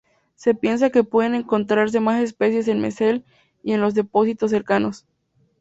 Se piensa que pueden encontrarse más especies en Messel y en los depósitos cercanos.